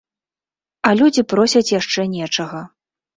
А людзі просяць яшчэ нечага.